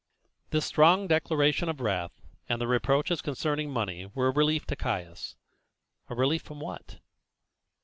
This strong declaration of wrath, and the reproaches concerning the money, were a relief to Caius. A relief from what?